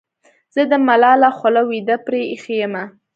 زه دې ملاله خوله وېده پرې اېښې یمه.